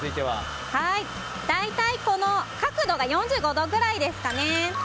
大体、角度が４５度くらいですかね。